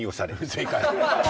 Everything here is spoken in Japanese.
正解！